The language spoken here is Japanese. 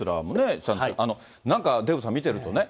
なんかデーブさん、見てるとね。